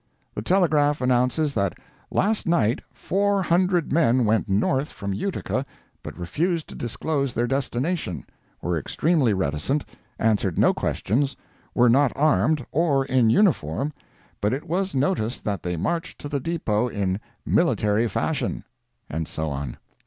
The telegraph announces that "last night, 400 men went north from Utica, but refused to disclose their destination—were extremely reticent—answered no questions—were not armed, or in uniform, but it was noticed that they marched to the depot in military fashion"—and so on.